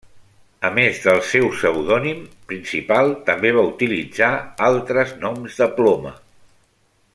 A més del seu pseudònim principal, també va utilitzar altres noms de ploma.